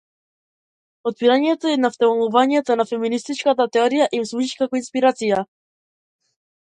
Потпирањето на втемелувачките на феминистичката теорија им служи како инспирација.